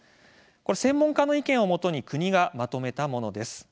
専門家の意見をもとに国がまとめたものです。